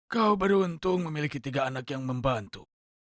kau beruntung memiliki tiga anak yang membantu